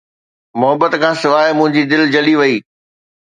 محبت کان سواءِ منهنجي دل جلي وئي